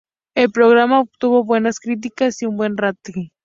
El programa obtuvo buenas críticas y buen rating.